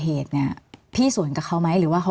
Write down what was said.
มีความรู้สึกว่ามีความรู้สึกว่า